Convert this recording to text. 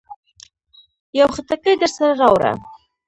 يو خټکی درسره راوړه.